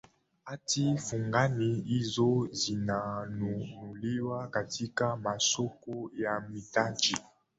hati fungani hizo zinanunuliwa katika masoko ya mitaji